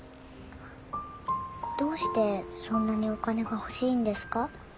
どうしてそんなにお金が欲しいんですか？